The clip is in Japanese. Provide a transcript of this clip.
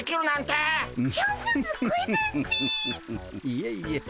いえいえ。